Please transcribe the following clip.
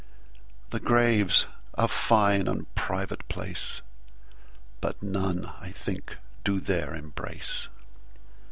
The Grave's a fine and private place, But none I think do there embrace.